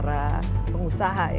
tapi ini memang pertanyaannya